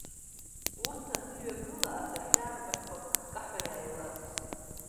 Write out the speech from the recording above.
Урҭ аныҩагыла, адәахьы арбаӷьқәа аккаҳәа иааиларԥсеит…